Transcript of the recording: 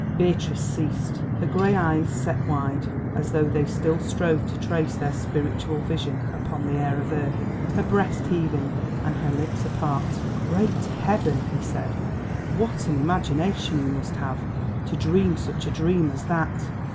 She ceased, her grey eyes set wide, as though they still strove to trace their spiritual vision upon the air of earth, her breast heaving, and her lips apart. "Great heaven!" he said, "what an imagination you must have to dream such a dream as that."